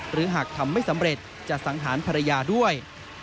หากทำไม่สำเร็จจะสังหารภรรยาด้วย